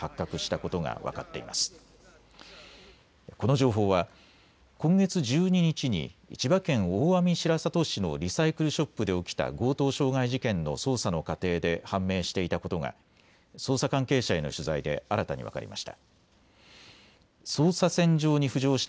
この情報は今月１２日に千葉県大網白里市のリサイクルショップで起きた強盗傷害事件の捜査の過程で判明していたことが捜査関係者への取材で新たに分かりました。